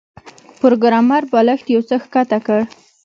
پروګرامر بالښت یو څه ښکته کړ